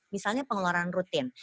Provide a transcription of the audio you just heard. misalnya pengeluaran rutin